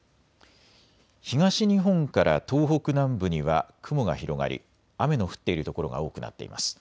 東日本から東北南部には雲が広がり雨の降っている所が多くなっています。